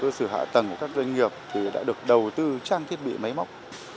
cơ sở hạ tầng của các doanh nghiệp thì đã được đầu tư trang thiết bị máy móc